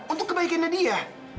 untuk kebaikannya dia